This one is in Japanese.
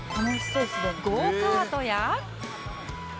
ゴーカートや